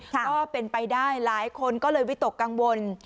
ก็เป็นไปได้หลายคนก็เลยวิตกกังวล